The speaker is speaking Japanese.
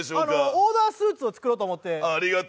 オーダースーツを作ろうと思って。